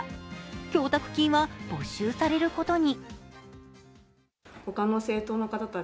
供託金は没収されることに。